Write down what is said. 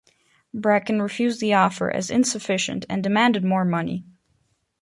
Bracken refused the offer as insufficient and demanded more money.